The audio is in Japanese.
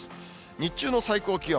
日中の最高気温。